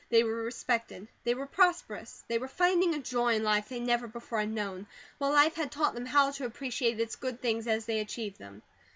They were respected, they were prosperous, they were finding a joy in life they never before had known, while life had taught them how to appreciate its good things as they achieved them.